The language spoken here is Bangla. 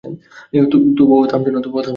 তবুও থামছো না।